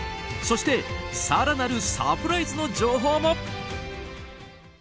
そして更なるサプライズの情報も。